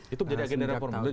itu menjadi agenda reformasi